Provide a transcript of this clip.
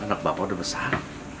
anak bapak udah besar